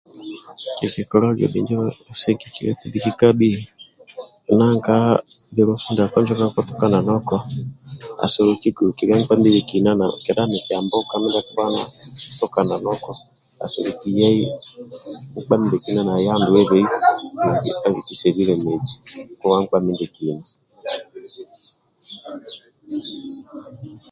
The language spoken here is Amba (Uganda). Kikikolaga bhinjo sigikilia eti bhikikabhi bulofu ndiako njo kakutuka nanoko asoboki dhukiliana nkpa mindiekina kedha mikia mbuka mindia akutuki nanoko asoboki yaki kowa nkpa mindiekina abikise bilemeji